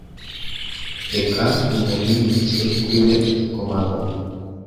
Reka tumuhindukire kuri we igikomangoma